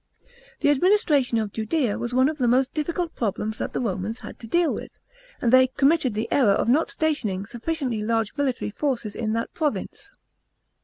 The administration of Judea was one of the most difficult problems that the Roman* had to deal with ; and they committed the error of not stationing sufficiently large military forces in that province.